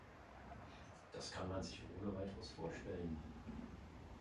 Das kann man sich ohne Weiteres vorstellen.